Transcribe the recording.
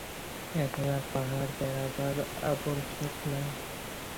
এখন আর পাহাড় বেড়াবার আবশ্যক নাই।